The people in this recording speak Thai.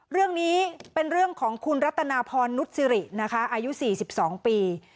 เรื่องนี้เป็นเรื่องของคุณรัตนาพรนุษรินะคะอายุ๔๒ปี